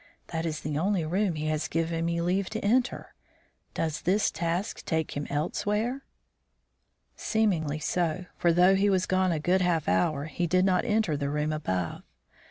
"That is the only room he has given me leave to enter. Does his task take him elsewhere?" Seemingly so, for, though he was gone a good half hour, he did not enter the room above.